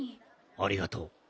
ありがとう。